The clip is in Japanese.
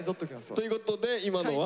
ということで今のは。